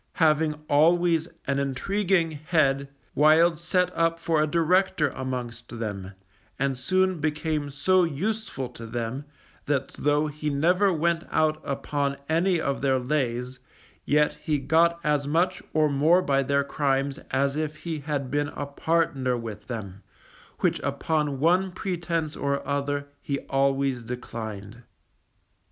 Having always an intriguing head Wild set up for a director amongst them, and soon became so useful to them that though he never went out upon any of their lays, yet he got as much or more by their crimes as if he had been a partner with them, which upon one pretence or other he always declined.